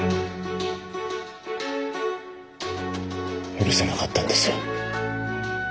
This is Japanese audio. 許せなかったんですよ